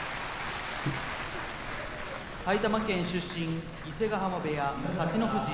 埼玉県出身伊勢ヶ濱部屋、幸乃富士。